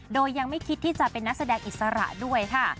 โดยยังไม่คิดที่จะเป็นนักแสดงอิสระด้วยค่ะ